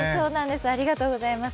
ありがとうございます。